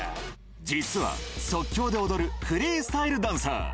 実は即興で踊るフリースタイルダンサー。